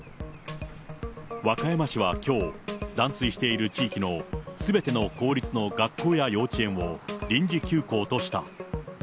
和歌山市はきょう、断水している地域のすべての公立の学校や幼稚園を臨時休校とした。